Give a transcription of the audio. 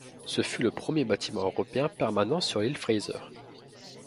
Ce fut le premier bâtiment européen permanent sur l'île Fraser.